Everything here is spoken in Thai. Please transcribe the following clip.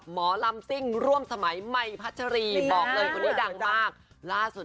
หลวงตาบอกว่า